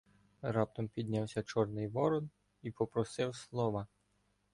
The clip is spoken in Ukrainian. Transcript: Раптом піднявся Чорний Ворон і попросив слова.